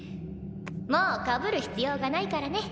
もうかぶる必要がないからね。